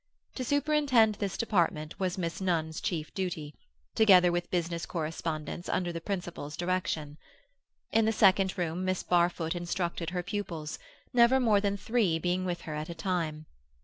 To superintend this department was Miss Nunn's chief duty, together with business correspondence under the principal's direction. In the second room Miss Barfoot instructed her pupils, never more than three being with her at a time.